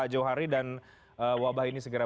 johari dan wabah ini segera